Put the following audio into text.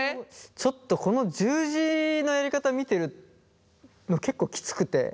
ちょっとこの十字のやり方見てるの結構きつくて。